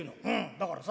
だからさ